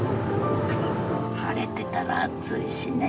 晴れてたら暑いしね。